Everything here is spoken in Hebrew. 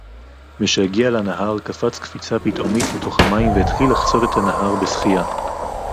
מִשֶּׁהִגִּיעַ לַנָּהָר, קָפַץ קְפִיצָה פִּתְאֹמִית לְתוֹךְ הַמַּיִם וְהִתְחִיל לַחֲצוֹת אֶת הַנָּהָר בִּשְׂחִיָּה.